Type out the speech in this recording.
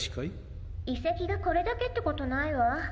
いせきがこれだけってことないわ。